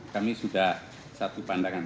kami sudah satu pandangan